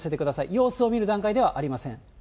様子を見る段階ではありません。